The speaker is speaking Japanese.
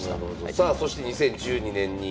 さあそして２０１２年に。